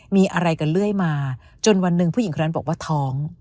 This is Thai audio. มีอะไรกันเรื่อยมาจนวันหนึ่งผู้หญิงคนนั้นบอกว่าท้อง